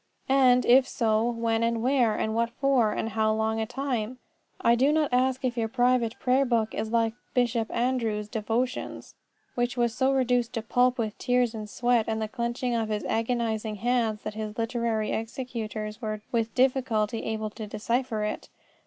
And, if so, when, and where, and what for, and how long at a time? I do not ask if your private prayer book is like Bishop Andrewes' Devotions, which was so reduced to pulp with tears and sweat and the clenching of his agonising hands that his literary executors were with difficulty able to decipher it.